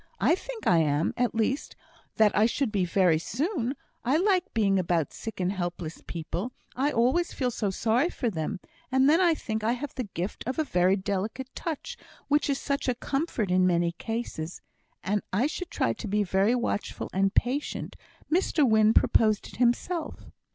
"I think I am; at least, that I should be very soon. I like being about sick and helpless people; I always feel so sorry for them; and then I think I have the gift of a very delicate touch, which is such a comfort in many cases. And I should try to be very watchful and patient. Mr Wynne proposed it himself."